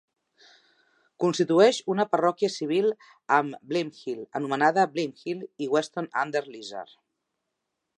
Constitueix una parròquia civil amb Blymhill, anomenada Blymhill i Weston-under-Lizard.